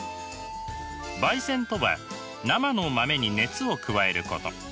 焙煎とは生の豆に熱を加えること。